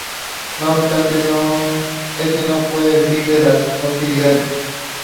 Jalal wanders the streets until he is found and picked up by Tasneem.